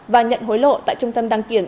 và nhận hối lộ tại trung tâm đăng kiểm